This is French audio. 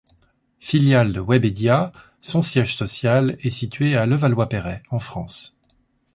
Filiale de Webedia, son siège social est situé à Levallois-Perret en France.